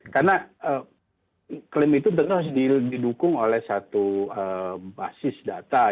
karena klaim itu terus didukung oleh satu basis data